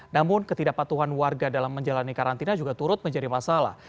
namun ketidakpatuhan warga dalam menjalani karantina juga turut menjadi masalah